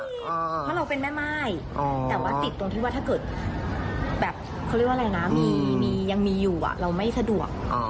เพราะเราเป็นแม่ม่ายแต่ว่าติดตรงที่ว่าถ้าเกิดแบบเขาเรียกว่าอะไรนะมียังมีอยู่เราไม่สะดวก